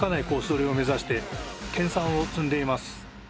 取りを目指して研さんを積んでいます。